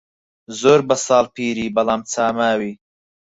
زۆر بە ساڵ پیری بەڵام چا ماوی